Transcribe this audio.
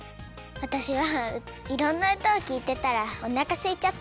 わたしはいろんなうたをきいてたらおなかすいちゃった。